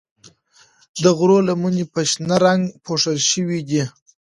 د غرو لمنې په شنه رنګ پوښل شوي دي.